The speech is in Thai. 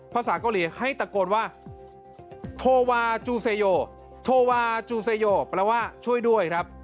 ภาษาเกาหลีให้ตะโกนว่าโทวาจูเซโยโทวาจูเซโยแปลว่าช่วยด้วยครับ